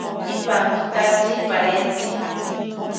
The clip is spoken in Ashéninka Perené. Ipankitatsi parentzi.